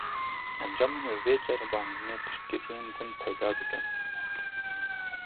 Encamên vê ceribandinê piştgiriyên din peyda dikin.